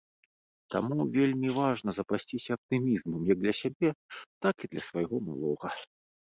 Таму вельмі важна запасціся аптымізмам як для сябе, так і для свайго малога.